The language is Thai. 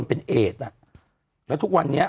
ฟังลูกครับ